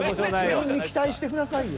自分に期待してくださいよ。